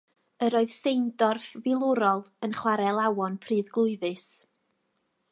Yr oedd seindorf filwrol yn chware alawon pruddglwyfus.